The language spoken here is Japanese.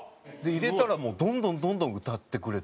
入れたらもうどんどんどんどん歌ってくれて。